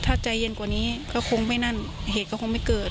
ถ้าใจเย็นกว่านี้ก็คงไม่นั่นเหตุก็คงไม่เกิด